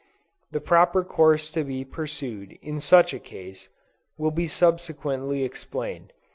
The proper course to be pursued, in such a case, will be subsequently explained.